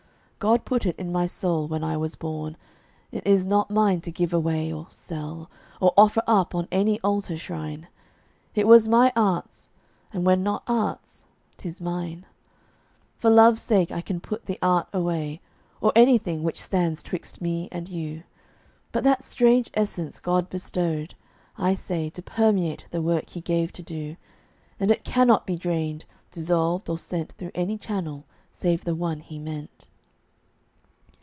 God put it in my soul when I was born; It is not mine to give away, or sell, Or offer up on any altar shrine. It was my art's; and when not art's, 'tis mine, For love's sake I can put the art away, Or anything which stands 'twixt me and you. But that strange essence God bestowed, I say, To permeate the work He gave to do: And it cannot be drained, dissolved, or sent Through any channel save the one He meant.